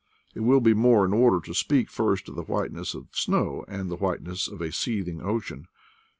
It will be more in order to speak first of the whiteness of snow, and the whiteness of a seething ocean.